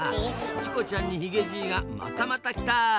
「チコちゃん」にヒゲじいがまたまた来た！